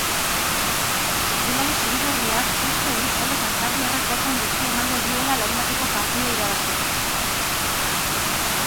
Erdilari zuri-gorriak uste du talde kantabriarrak daukan guztia emango duela larunbateko partida irabazteko.